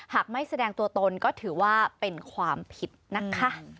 หากไม่แสดงตัวตนก็ถือว่าเป็นความผิดนะคะ